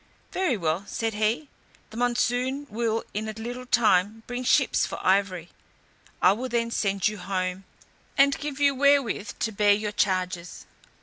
"Very well," said he, "the monsoon will in a little time bring ships for ivory. I will then send you home, and give you wherewith to bear your charges."